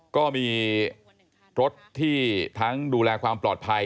ก็มีรถที่ทั้งดูแลความปลอดภัย